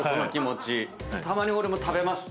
たまに俺も食べます。